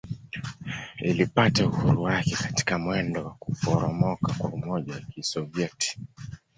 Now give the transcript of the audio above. Ilipata uhuru wake katika mwendo wa kuporomoka kwa Umoja wa Kisovyeti.